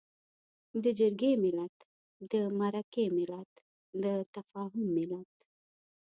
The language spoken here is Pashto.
د جرګې ملت، د مرکې ملت، د تفاهم ملت.